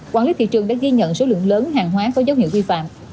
quản lý thị trường đã ghi nhận số lượng lớn hàng hóa có dấu hiệu vi phạm